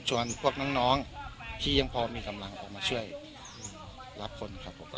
ตอนนั้นคือเสร็จงาน